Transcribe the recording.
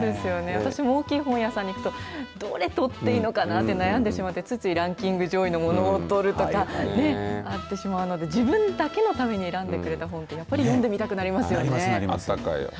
私も大きい本屋さんに行くとどれ取っていいのかなと悩んでしまって、ついついランキング上位のものを取るとかなってしまうので自分だけのために選んでくれた本ってやっぱり読んでみたくなりますよね。